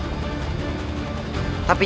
tapi jika kalian memberitahu